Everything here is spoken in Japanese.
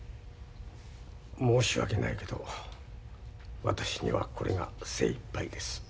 申し訳ないけど私にはこれが精いっぱいです。